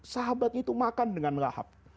sahabat itu makan dengan lahap